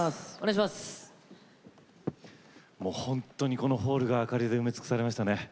このホールがあかりで埋め尽くされましたね。